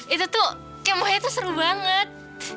itu tuh kemohnya tuh seru banget